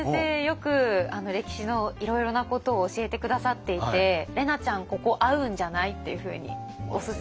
よく歴史のいろいろなことを教えて下さっていて「怜奈ちゃんここ合うんじゃない？」っていうふうにおすすめしてもらいました。